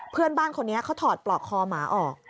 เพื่อนบ้านคนนี้เขาถอดปลอกคอหมาออก